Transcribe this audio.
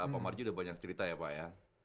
pak marji sudah banyak cerita ya pak ya